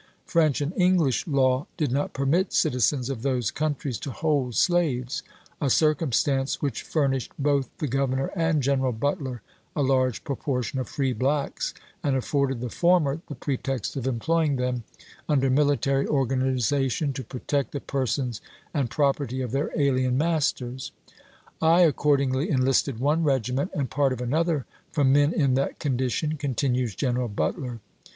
French and English law did not permit citizens of those countries to hold slaves, a circumstance which furnished both the Grovernor and General Butler a large proportion of free blacks, and afforded the former the pretext of employing them under military organization to protect the persons and property of their alien masters. "I accordingly enlisted one regiment and part of another from men in that condition," con tinues General Butler.